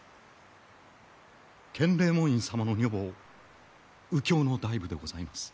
建礼門院様の女房右京太夫でございます。